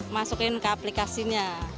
masukin ke aplikasinya